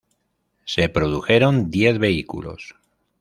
Se produjeron diez vehículos.